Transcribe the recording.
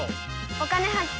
「お金発見」。